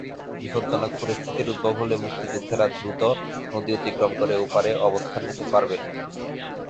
বিপজ্জনক পরিস্থিতির উদ্ভব হলে মুক্তিযোদ্ধারা দ্রুত নদী অতিক্রম করে ওপারে অবস্থান নিতে পারবেন।